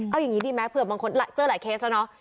เอาอย่างนี้ดีไหมเผื่อบางคนเจอหลายเคสแล้วเนาะ